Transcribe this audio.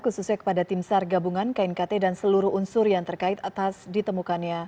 khususnya kepada tim sar gabungan knkt dan seluruh unsur yang terkait atas ditemukannya